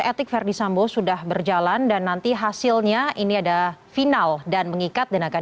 etik verdi sambo sudah berjalan dan nanti hasilnya ini ada final dan mengikat dan akan